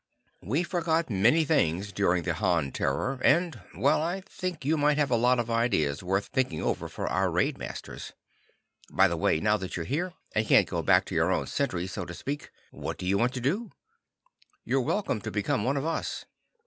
We forgot many things during the Han terror, and well, I think you might have a lot of ideas worth thinking over for our raid masters. By the way, now that you're here, and can't go back to your own century, so to speak, what do you want to do? You're welcome to become one of us.